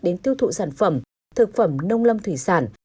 đến tiêu thụ sản phẩm thực phẩm nông lâm thủy sản